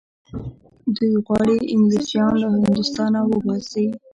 دوی غواړي انګلیسیان له هندوستانه وباسي.